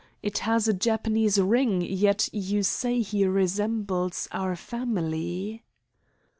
It has a Japanese ring, yet you say he resembles our family?"